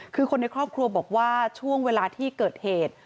คือคนในครอบครัวบอกว่าช่วงเวลาที่เกิดเหตุ